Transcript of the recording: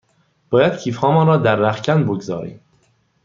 باید کیف هامان را در رختکن بگذاریم.